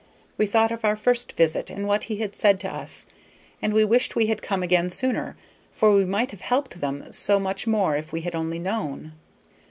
We thought of our first visit, and what he had said to us, and we wished we had come again sooner, for we might have helped them so much more if we had only known.